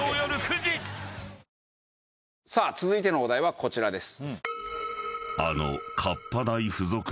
さあ続いてのお題はこちらです。